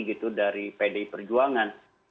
gitu dari pdi perjuangan